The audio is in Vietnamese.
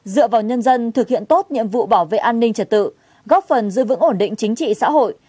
dựa vào nhân dân thực hiện tốt nhiệm vụ bảo vệ an ninh trật tự góp phần giữ vững ổn định chính trị xã hội